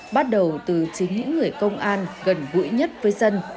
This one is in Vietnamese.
bắt đầu từ chính những người công an gần gũi nhất với dân